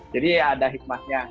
jadi ada hikmahnya